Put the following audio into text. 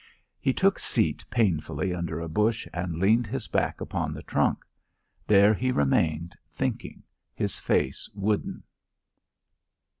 He took seat painfully under a bush and leaned his back upon the trunk. There he remained thinking, his face wooden.